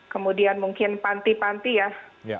kemudian mungkin panti panti ya